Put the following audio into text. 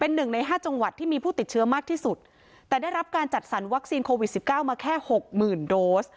หนึ่งในห้าจังหวัดที่มีผู้ติดเชื้อมากที่สุดแต่ได้รับการจัดสรรวัคซีนโควิดสิบเก้ามาแค่หกหมื่นโดส